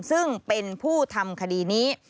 ซึ่งเป็นผู้ทำคดีนี้